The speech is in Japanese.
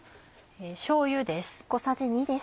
しょうゆです。